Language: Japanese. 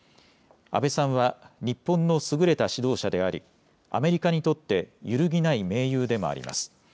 安倍さんは日本の優れた指導者であり、アメリカにとって揺るぎない盟友でもあります。